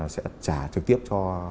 sẽ trả trực tiếp cho